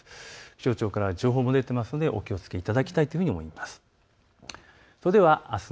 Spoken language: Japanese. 気象庁からは情報も出ているのでお気をつけいただきたいと思います。